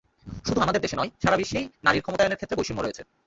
শুধু আমাদের দেশে নয়, সারা বিশ্বেই নারীর ক্ষমতায়নের ক্ষেত্রে বৈষম্য রয়েছে।